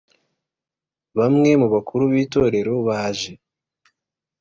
bamwe mu bakuru b itorero baje